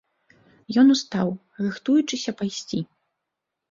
Ён устаў, рыхтуючыся пайсці.